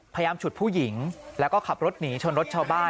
ฉุดผู้หญิงแล้วก็ขับรถหนีชนรถชาวบ้าน